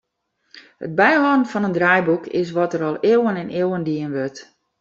It byhâlden fan in deiboek is wat dat al iuwen en iuwen dien wurdt.